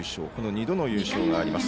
２度の優勝があります。